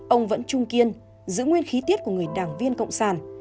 ông vẫn trung kiên giữ nguyên khí tiết của người đảng viên cộng sản